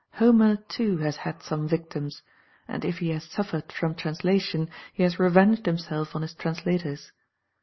Homer, too, has had some victims; and if he has suffered from translation, he has revenged himself on his translators.